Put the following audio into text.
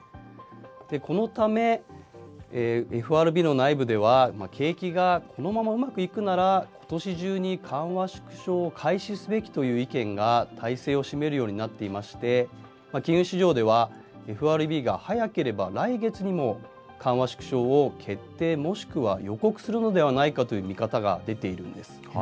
このため、ＦＲＢの内部では、景気がこのままうまくいくなら、ことし中に緩和縮小を開始すべきという意見が大勢を占めるようになっていまして、金融市場ではＦＲＢが早ければ来月にも緩和縮小を決定もしくは予告するのではないかという見方が出ているんです。